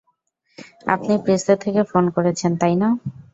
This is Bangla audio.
আপনি প্রেসে থেকে ফোন করেছেন, তাই না?